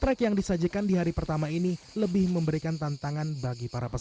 track yang disajikan di hari pertama ini lebih memberikan tantangan bagi para peserta